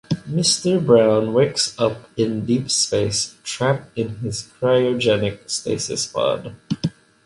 Mister Brown wakes up in deep space trapped in his cryogenic stasis pod.